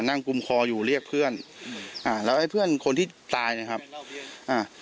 กุมคออยู่เรียกเพื่อนอืมอ่าแล้วไอ้เพื่อนคนที่ตายเนี้ยครับอ่า